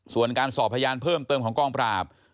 ส่วนการสอบพยานเพิ่มเติมของกองปราบ